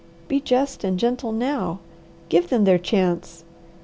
Be just and gentle now! Give them their chance!